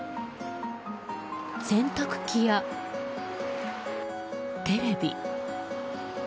洗濯機やテレビ。